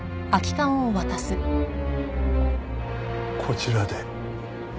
こちらで。